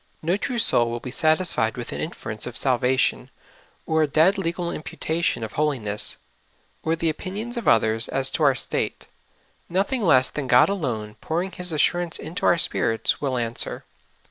No true soul will be satisfied with an inference of salva tion, or a dead legal imputation of holiness, or the ALONK WITH GOD. 8 1 opinions of others as to our state ; nothing less than God alone pouring His assurance into our spirits will answer.